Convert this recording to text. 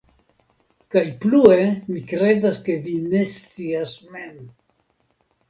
kaj plue mi kredas ke vi ne scias mem.